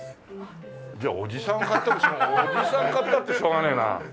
じゃあおじさん買ってもおじさん買ったってしょうがねえな。